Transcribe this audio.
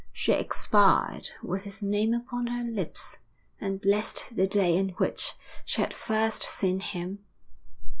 She expired with his name upon her lips, and blessed the day on which she had first seen him.